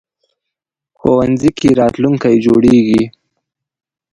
ښوونځی کې راتلونکی جوړېږي